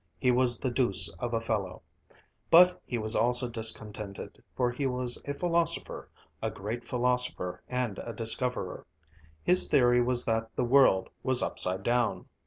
He was the deuce of a fellow! But he was always discontented, for he was a philosopher, a great philosopher and a discoverer. His theory was that the world was upside down.